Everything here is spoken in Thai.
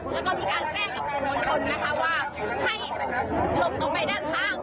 แล้วก็มีการแจ้งกับมวลชนนะคะว่าให้หลบลงไปด้านข้าง